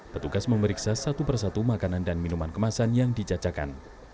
petugas memeriksa satu persatu makanan dan minuman kemasan yang dijajakan